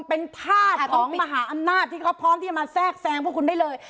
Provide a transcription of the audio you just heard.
เป็นธาตุของมหาอำนาจที่เขาพร้อมที่จะมาแทรกแซงพวกคุณได้เลย